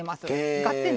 「ガッテン！」